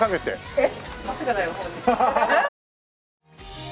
えっ？